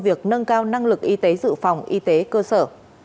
việc nâng cao năng lực y tế dự phòng y tế cơ sở